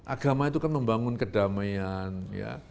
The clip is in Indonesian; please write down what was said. agama itu kan membangun kedamaian ya